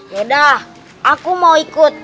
yaudah aku mau ikut